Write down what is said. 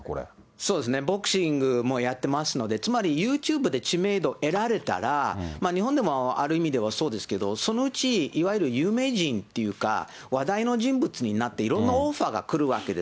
そうですね、ボクシングもやってますので、つまり、ユーチューブで知名度得られたら、日本でもある意味ではそうですけど、そのうちいわゆる有名人というか、話題の人物になって、いろんなオファーが来るわけです。